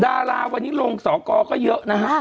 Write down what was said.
ดาราวันนี้ลงสอกรก็เยอะนะฮะ